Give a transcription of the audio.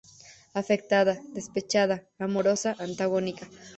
Afectada, despechada, amorosa, antagónica.